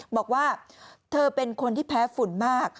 บอกว่าเธอเป็นคนที่แพ้ฝุ่นมาก